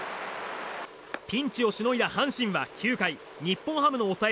ピンチをしのいだ阪神は９回日本ハムの抑え